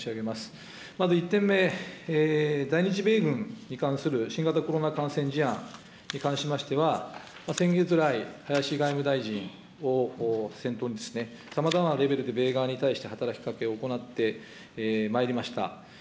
まず１点目、在日米軍に関する新型コロナ感染事案に関しましては、先月来、林外務大臣を先頭に、さまざまなレベルで、米側に対して働きかけを行ってまいりました。